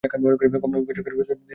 কমলা শৈলকে কহিল, দিদি, তুমিও চলো-না।